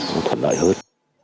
chúng ta cần đòi hứa